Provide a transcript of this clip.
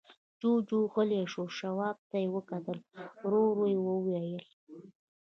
جُوجُو غلی شو، تواب ته يې وکتل، ورو يې وويل: